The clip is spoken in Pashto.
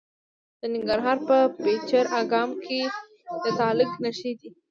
د ننګرهار په پچیر اګام کې د تالک نښې دي.